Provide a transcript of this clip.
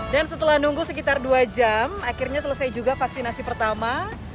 dan setelah nunggu sekitar dua jam akhirnya selesai juga vaksinasi pertama